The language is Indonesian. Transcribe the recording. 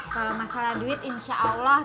kalau masalah duit insya allah